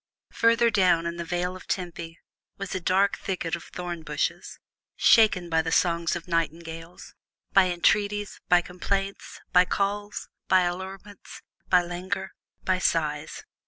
Farther down in the Vale of Tempe was a dark thicket of thorn bushes, shaken by the songs of nightingales by entreaties, by complaints, by calls, by allurements, by languor, by sighs.